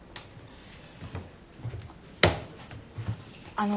あの。